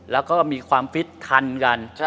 แล้วก็มีความฟิตทันกัน